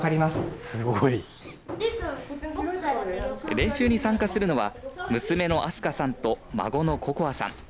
練習に参加するのは娘の明日香さんと孫の心明さん。